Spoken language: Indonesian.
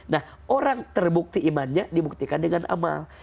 nah orang terbukti imannya dibuktikan dengan amal